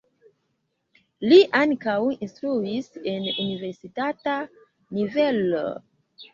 Li ankaŭ instruis en universitata nivelo.